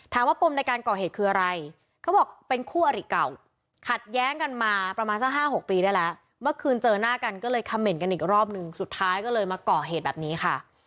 ปมในการก่อเหตุคืออะไรเขาบอกเป็นคู่อริเก่าขัดแย้งกันมาประมาณสัก๕๖ปีได้แล้วเมื่อคืนเจอหน้ากันก็เลยคำเมนต์กันอีกรอบนึงสุดท้ายก็เลยมาก่อเหตุแบบนี้ค่ะ